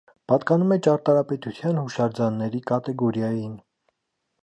Պատկանում է ճարտարապետության հուշարձանների կատեգորիային։